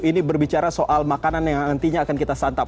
ini berbicara soal makanan yang nantinya akan kita santap